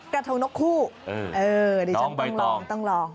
กระทงนกคู่เออดิฉันต้องลองต้องลอง